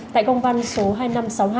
tại công văn số hai nghìn năm trăm sáu mươi hai